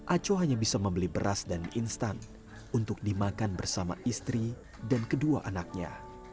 aco hanya bisa membeli beras dan instan untuk dimakan bersama istri dan kedua anaknya